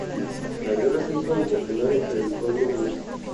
La guerra se hizo impopular entre el pueblo ruso.